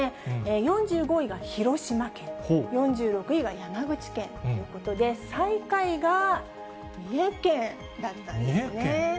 ４５位が広島県、４６位が山口県ということで、最下位が三重県だ三重県？